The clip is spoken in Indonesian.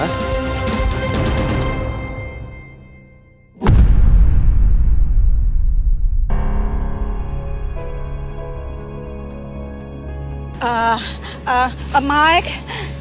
ah ah mike